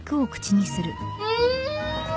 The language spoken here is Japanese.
うん！